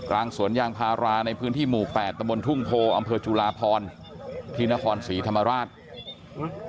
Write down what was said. สวนยางพาราในพื้นที่หมู่๘ตะบนทุ่งโพอำเภอจุลาพรที่นครศรีธรรมราช